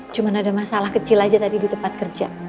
cuma ada masalah kecil aja tadi di tempat kerja